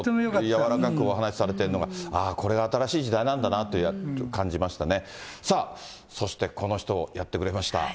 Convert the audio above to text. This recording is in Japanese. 柔らかくお話しされてるのがこれが新しい時代なんだなと感じましたね。